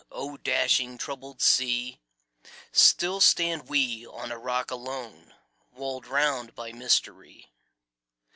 O dashing, troubled sea! Still stand we on a rock alone, Walled round by mystery.